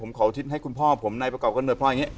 ผมขออธิษฐ์ให้คุณพ่อผมในประกอบกระเนิดพ่ออย่างเงี้ย